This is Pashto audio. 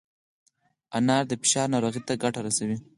انار د فشار ناروغۍ ته ګټه رسوي.